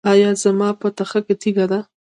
ایا زما په تخه کې تیږه ده؟